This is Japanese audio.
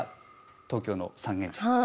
東京の三軒茶屋。